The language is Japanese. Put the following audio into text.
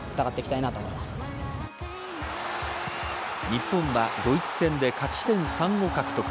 日本はドイツ戦で勝ち点３を獲得。